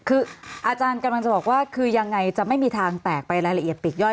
คืออาจารย์กำลังจะบอกว่าคือยังไงจะไม่มีทางแตกไปรายละเอียดปีกย่อย